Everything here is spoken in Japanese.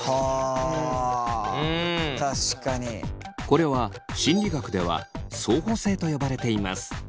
これは心理学では相補性と呼ばれています。